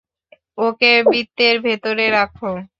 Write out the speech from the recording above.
ওকে বৃত্তের ভেতরে রাখো!